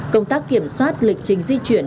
công tác kiểm soát lịch trình di chuyển